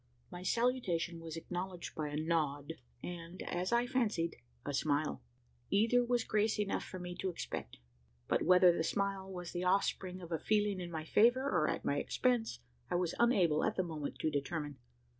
My salutation was acknowledged by a nod, and, as I fancied, a smile. Either was grace enough for me to expect; but, whether the smile was the offspring of a feeling in my favour, or at my expense, I was unable at the moment to determine.